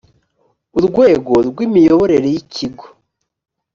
urwego rw’imiyoborere y’ikigo